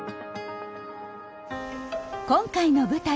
今回の舞台